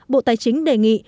bộ tài chính đề nghị